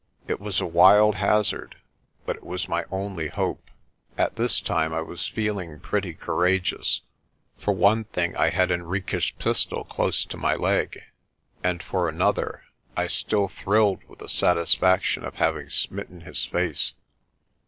It was a wild hazard but it was my only hope. At this time I was feeling pretty cour ageous. For one thing I had Henriques' pistol close to my 168 PRESTER JOHN leg, and for another I still thrilled with the satisfaction of having smitten his face.